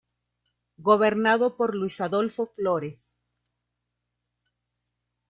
Gobernado por Luis Adolfo Flores.